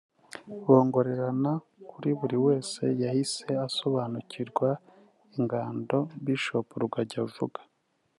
bongorerana kuko buri wese yahise asobanukirwa ‘ingando’ Bishop Rugagi avuga